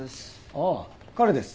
ああ彼です。